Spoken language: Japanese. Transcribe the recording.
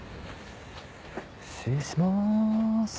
失礼します。